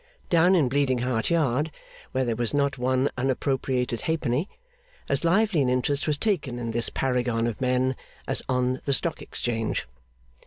Down in Bleeding Heart Yard, where there was not one unappropriated halfpenny, as lively an interest was taken in this paragon of men as on the Stock Exchange.